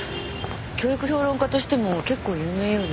教育評論家としても結構有名よね。